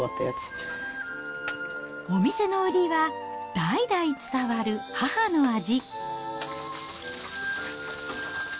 まあ、お店の売りは、代々伝わる母の味。